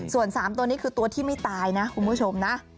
ส่วน๓ตัวนี้คือตัวที่ไม่ตายนะคุณผู้ชมนะ